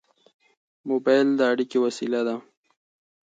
موبایل د اړیکې وسیله ده.